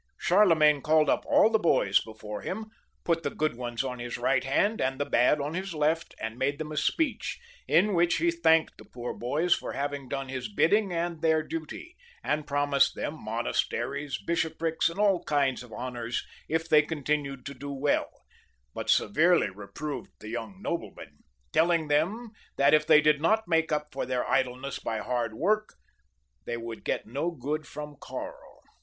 Charlemagne called up aU the boys before him, put the good ones on his right hand, and the bad on his left, and made them a speech, in which he thanked the poor boys for having done his bidding and their duty, and promised them monasteries, bishoprics, and aU kinds of honours if they continued to do well, but severely reproved the yoxmg noblemen, telling them that if they did not make up for their idleness by hard work, they would get no good from Karl.